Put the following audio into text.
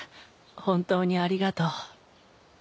本当にありがとう。